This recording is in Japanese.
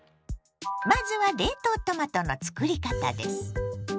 まずは冷凍トマトのつくり方です。